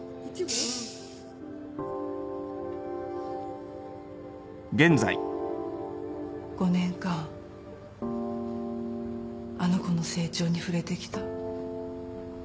うん５年間あの子の成長に触れてきた。